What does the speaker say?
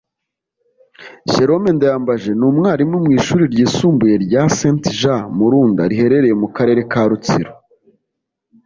Jérôme Ndayambaje ni umwalimu mu Ishuri ryisumbuye rya Saint Jean Murunda riherereye mu Karere ka Rutsiro